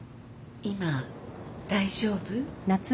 今大丈夫？